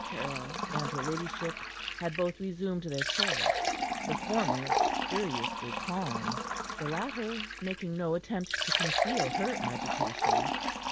Caryll and her ladyship had both resumed their chairs: the former spuriously calm; the latter making no attempt to conceal her agitation.